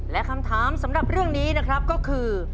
และคำถามสำหรับเรื่องนี้นะครับก็คือ